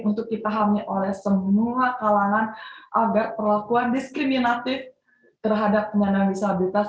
untuk dipahami oleh semua kalangan agar perlakuan diskriminatif terhadap penyandang disabilitas